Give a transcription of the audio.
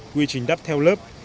quy trình đắp theo lớp